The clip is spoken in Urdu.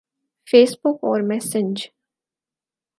فیس بک اور میسنج